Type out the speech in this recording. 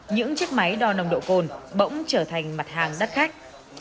những chiếc máy đo nồng độ cồn bỗng trở thành mặt hàng rất khách